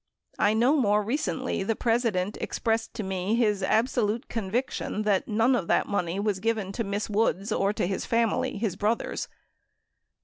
I know more recently the President expressed to me his absolute convic tion that none of that money was given to Miss Woods or to his family, his brothers."